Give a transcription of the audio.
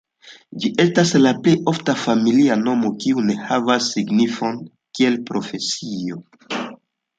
Ĝi estas la plej ofta familia nomo kiu ne havas signifon kiel profesio.